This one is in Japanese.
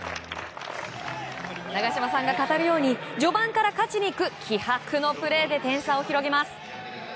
長嶋さんが語るように序盤から勝ちにいく気迫のプレーで点差を広げます。